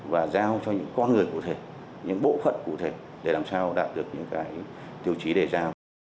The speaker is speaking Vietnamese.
và giao cho những con người cụ thể những bộ phận cụ thể để làm sao đạt được những tiêu chí đề ra